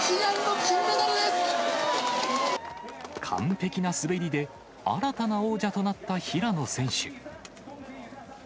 完璧な滑りで、新たな王者となった平野選手。